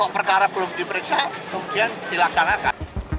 perkara belum diperiksa kemudian dilaksanakan